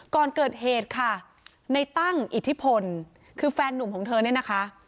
ก่อนเกิดเหตุค่ะในตั้งอิทธิพลคือแฟนนุ่มของเธอเนี่ยนะคะ